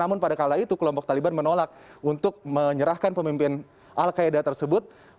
namun pada kala itu kelompok taliban menolak untuk menyerahkan pemimpin al qaeda tersebut